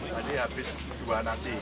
tadi habis dua nasi